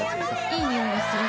いい匂いがする